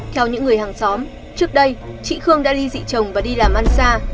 theo những người hàng xóm trước đây chị khương đã đi dị chồng và đi làm ăn xa